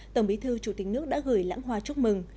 tổng bí thư chủ tịch nước đã gửi lãng hoa chúc mừng